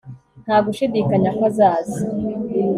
Nta gushidikanya ko azaza